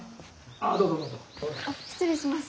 あっ失礼します。